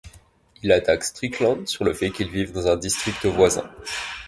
Il attaque Strickland sur le fait qu'il vive dans un district voisin.